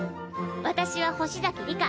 私は星崎理香。